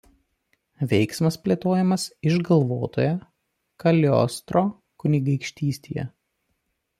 Veiksmas plėtojamas išgalvotoje Kaliostro kunigaikštystėje.